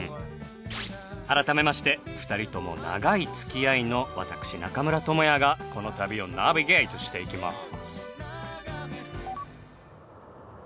改めまして２人とも長い付き合いの私中村倫也がこの旅をナビゲートしていきます。